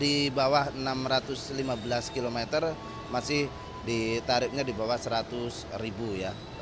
di bawah enam ratus lima belas km masih di tarifnya di bawah rp seratus